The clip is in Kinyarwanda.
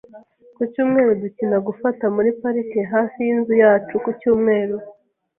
Ku cyumweru, dukina gufata muri parike hafi yinzu yacu ku cyumweru .